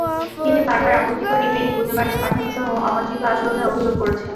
তিনি বারবার আপত্তিকর ই-মেইল, খুদে বার্তা পাঠানোসহ অবাঞ্ছিত আচরণের অভিযোগ করেছেন।